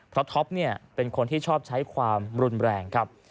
เพราะท็อปเป็นคนที่ชอบใช้ความรุนแรงครับ